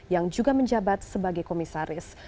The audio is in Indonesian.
yang juga menjabat sebagai komisaris